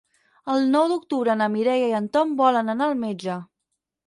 El nou d'octubre na Mireia i en Tom volen anar al metge.